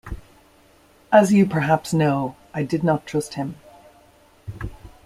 As you perhaps know I did not trust him.